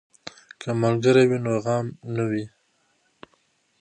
که ملګری وي نو غم نه وي.